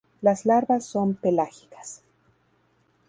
Las larvas son pelágicas.